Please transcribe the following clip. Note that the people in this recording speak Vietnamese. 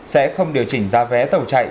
sẽ không điều chỉnh giá vé tàu chạy